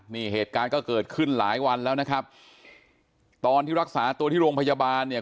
นี่เหตุการณ์ก็เกิดขึ้นหลายวันแล้วนะครับตอนที่รักษาตัวที่โรงพยาบาลเนี่ย